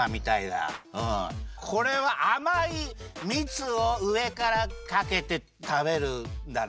これはあまいみつをうえからかけてたべるんだな